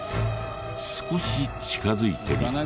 少し近づいてみると。